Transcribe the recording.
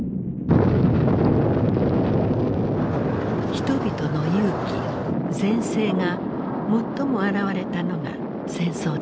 人々の勇気善性が最も現れたのが戦争だった。